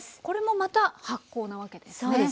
これもまた発酵なわけですね。